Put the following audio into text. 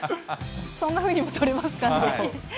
そんなふうにも取れますかね。